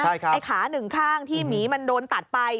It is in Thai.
ไอ้ขาหนึ่งข้างที่หมีมันโดนตัดไป